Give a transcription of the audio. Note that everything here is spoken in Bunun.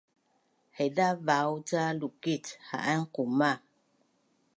Haiza vaau’ ca lukic ha’an qumah